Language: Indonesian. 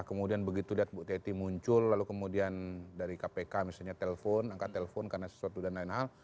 kemudian begitu lihat bu teti muncul lalu kemudian dari kpk misalnya telpon angkat telepon karena sesuatu dan lain lain